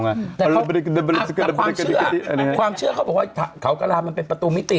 แต่ความเชื่อเขาบอกว่าเขากระลาดมันเป็นประตูมิติ